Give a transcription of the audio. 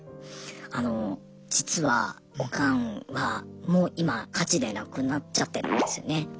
あの実はオカンはもう今火事で亡くなっちゃってるんですよね。